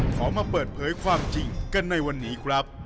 ขอมาเปิดเผยความจริงกันในวันนี้ครับ